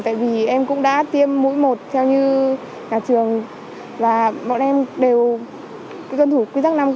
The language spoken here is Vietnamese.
tại vì em cũng đã tiêm mũi một theo như nhà trường và bọn em đều tuyên thủ quy tắc năm k khi đi học